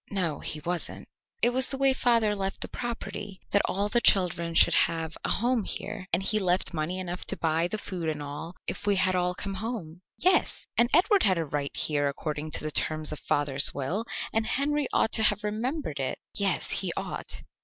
"No, he wasn't." "It was the way father left the property that all the children should have a home here and he left money enough to buy the food and all if we had all come home." "Yes." "And Edward had a right here according to the terms of father's will, and Henry ought to have remembered it." "Yes, he ought."